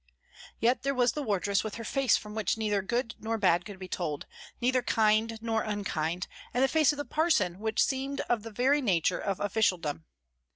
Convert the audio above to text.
Yet there was the wardress with her face from which neither good nor bad could be told, neither kind nor unkind, and the face of the parson which seemed of the very nature of officialdom.